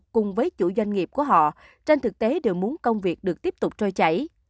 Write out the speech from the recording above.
cùng với chủ doanh nghiệp của họ trên thực tế đều muốn công việc được tiếp tục trôi chảy